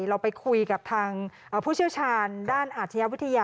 เราไปคุยกับทางผู้เชี่ยวชาญด้านอาชญาวิทยา